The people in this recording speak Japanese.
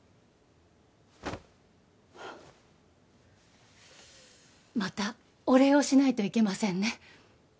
あっまたお礼をしないといけませんね